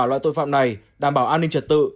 loại tội phạm này đảm bảo an ninh trật tự